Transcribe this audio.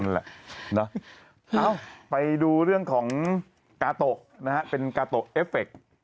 นั่นแหละไปดูเรื่องของกาโตเป็นกาโตเอฟเฟค